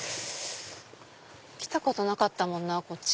来たことなかったもんなこっち。